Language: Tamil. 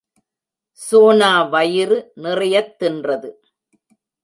சோனா வயிறு நிறையத் தின்றது.